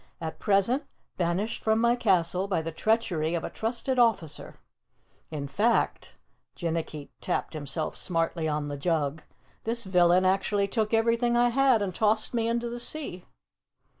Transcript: "At present banished from my castle by the treachery of a trusted officer. In fact," Jinnicky tapped himself smartly on the jug, "this villain actually took everything I had and tossed me into the sea."